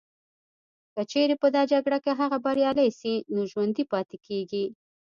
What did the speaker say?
که چیري په دا جګړه کي هغه بریالي سي نو ژوندي پاتیږي